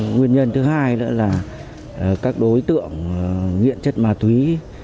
nguyên nhân thứ hai nữa là các đối tượng nghiện chất ma túy